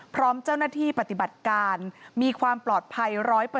พร้อมเจ้าหน้าที่ปฏิบัติการมีความปลอดภัย๑๐๐